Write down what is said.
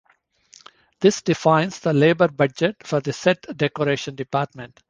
This defines the labor budget for the Set Decoration department.